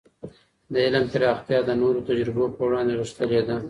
د علم پراختيا د نورو تجربو په وړاندې غښتلې ده.